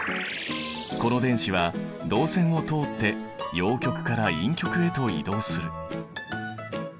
この電子は導線を通って陽極から陰極へと移動する。